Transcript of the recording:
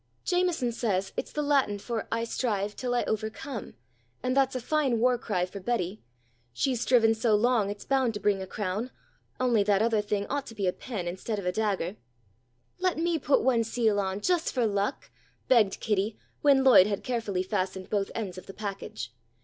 "Jameson says it's the Latin for 'I strive till I overcome,' and that's a fine war cry for Betty. She's striven so long it's bound to bring a crown, only that other thing ought to be a pen instead of a dagger." "Let me put one seal on, just for luck," begged Kitty when Lloyd had carefully fastened both ends of the package.